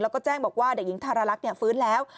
แล้วก็แจ้งบอกว่าเด็กหญิงธารลักษณ์ฟื้นแล้ว